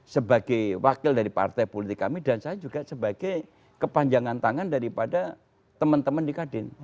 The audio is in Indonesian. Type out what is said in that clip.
sebagai wakil dari partai politik kami dan saya juga sebagai kepanjangan tangan daripada teman teman di kadin